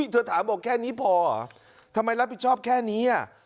เธอถามบอกแค่นี้พอเหรอทำไมรับผิดชอบแค่นี้